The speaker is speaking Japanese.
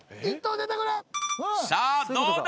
さあどうだ？